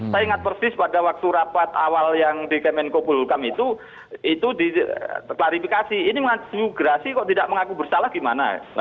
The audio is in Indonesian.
saya ingat persis pada waktu rapat awal yang di kemenkulukam itu itu di terklarifikasi ini maju gerasi kok tidak mengaku bersalah gimana